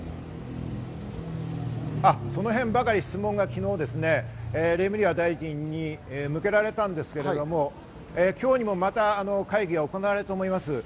その辺ばかり質問が昨日、レムリヤ大臣に向けられたんですけれども、今日にもまた会議が行われると思います。